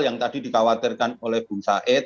yang tadi dikhawatirkan oleh bung said